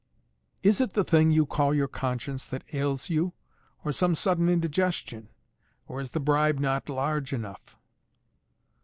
"Is it the thing you call your conscience that ails you, or some sudden indigestion? Or is the bribe not large enough?"